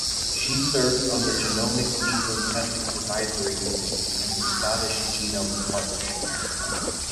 She serves on the Genomics England Ethics Advisory Committee and the Scottish Genomes Partnership.